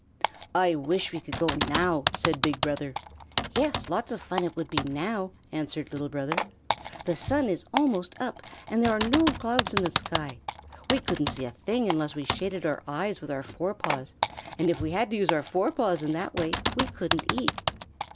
"I wish we could go now," said Big Brother. "Yes, lots of fun it would be now!" answered Little Brother. "The sun is almost up, and there are no clouds in the sky. We couldn't see a thing unless we shaded our eyes with our fore paws, and if we had to use our fore paws in that way we couldn't eat."